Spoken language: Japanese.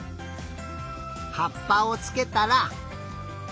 はっぱをつけたら。